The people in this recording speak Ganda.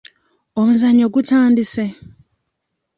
Omuzannyo gutandise?